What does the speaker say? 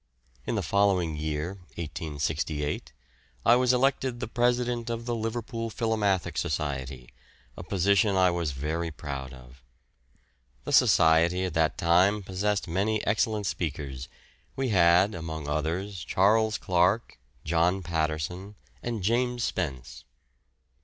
In the following year (1868) I was elected the President of the Liverpool Philomathic Society, a position I was very proud of. The Society at that time possessed many excellent speakers; we had among others Charles Clark, John Patterson, and James Spence.